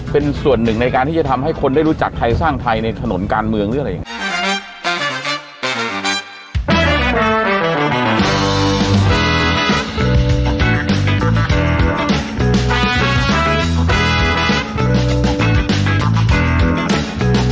เป็นส่วนหนึ่งในการที่จะทำให้คนได้รู้จักไทยสร้างไทยในถนนการเมืองหรืออะไรอย่างนี้